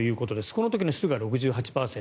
この時の湿度が６８％。